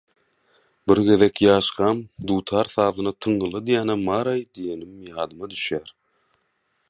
Bir gezek ýaşkam «Dutar sazyna tyňňyla diýýänem bar-aý» diýenim ýadyma düşýär.